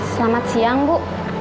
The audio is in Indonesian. selamat siang bu